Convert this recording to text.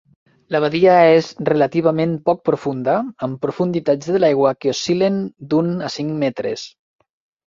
La badia és relativament poc profunda, amb profunditats de l'aigua que oscil·len d'un a cinc metres.